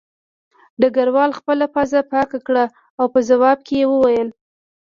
ډګروال خپله پوزه پاکه کړه او په ځواب کې یې وویل